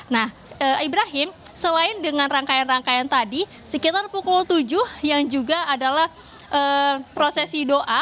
nah ibrahim selain dengan rangkaian rangkaian tadi sekitar pukul tujuh yang juga adalah prosesi doa